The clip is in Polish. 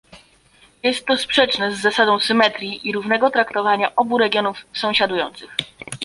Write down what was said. Jest to sprzeczne z zasadą symetrii i równego traktowania obu regionów sąsiadujących